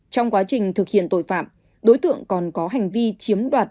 trong quá trình thực hiện tội phạm đối tượng còn có hành vi chiếm đoạt